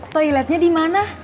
toiletnya di mana